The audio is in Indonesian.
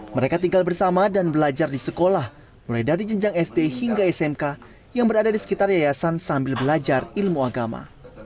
mereka tinggal bersama dan belajar di sekolah mulai dari jenjang sd hingga smk yang berada di sekitar yayasan sambil belajar ilmu agama